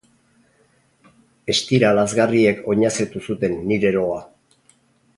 Estira lazgarriek oinazetu zuten nire loa.